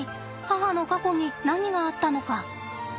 母の過去に何があったのか。